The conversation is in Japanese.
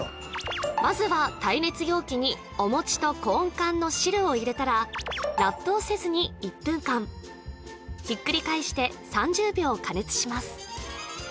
まずは耐熱容器にお餅とコーン缶の汁を入れたらラップをせずに１分間ひっくり返して３０秒加熱します